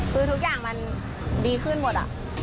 คือทุกอย่างมันดีขึ้นหมด